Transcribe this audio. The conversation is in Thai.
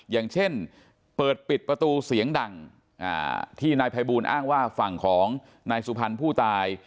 อย่างเช่นเปิดปิดประตูเสียงดังที่นายภัยบูลอ้างว่าฝั่งของนายสุพรรณผู้ตาย